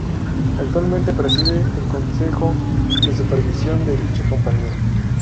Actualmente preside el consejo de supervisión de dicha compañía.